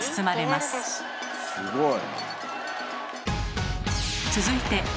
すごい。